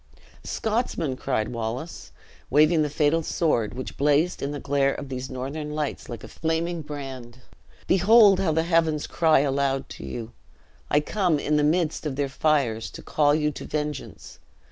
"Scotsmen!" cried Wallace, waving the fatal sword, which blazed in the glare of these northern lights like a flaming brand, "behold how the heavens cry aloud to you! I come, in the midst of their fires, to call you to vengeance.